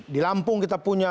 di lampung kita punya